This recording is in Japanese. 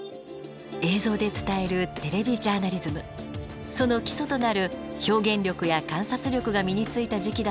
映像で伝えるテレビジャーナリズムその基礎となる「表現力」や「観察力」が身についた時期だったといいます。